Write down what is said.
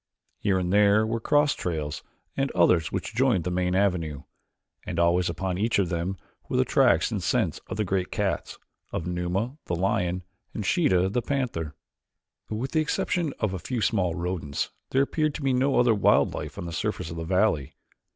Here and there were cross trails and others which joined the main avenue, and always upon each of them were the tracks and scent of the great cats, of Numa, the lion, and Sheeta, the panther. With the exception of a few small rodents there appeared to be no other wild life on the surface of the valley.